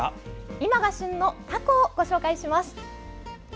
今が旬のタコをご紹介します。